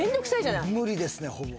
無理ですねほぼ。